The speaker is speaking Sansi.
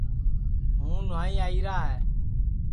ہوں نہوائی آئی را ہے